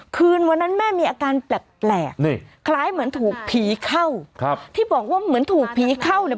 คืนวันนั้นแม่มีอาการแปลกนี่คล้ายเหมือนถูกผีเข้าครับที่บอกว่าเหมือนถูกผีเข้าเนี่ย